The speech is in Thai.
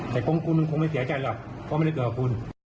แต่คุณคงไม่เสียใจหรอกเพราะไม่ได้เกิดกับคุณ